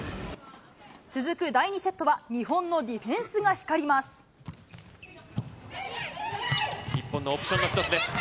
続く第２セットは、日本のディフ日本のオプションの一つです。